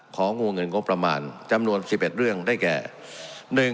ของวงเงินงบประมาณจำนวน๑๑เรื่องได้แก่